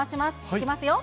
いきますよ。